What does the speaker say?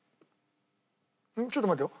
ちょっと待ってよ。